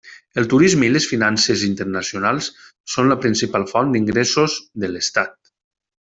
El turisme i les finances internacionals són la principal font d'ingressos de l'estat.